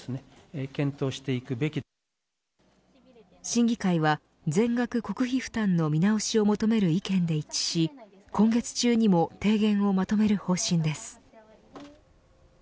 審議会は全額国費負担の見直しを求める意見で一致し今月中にも提言をまとめる方針です。